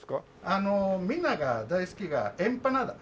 あのみんなが大好きがエンパナーダ。